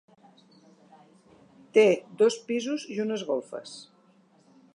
Té dos pisos i unes golfes.